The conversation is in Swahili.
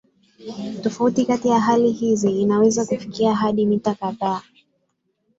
Tofauti kati ya hali hizi inaweza kufikia hadi mita kadhaa.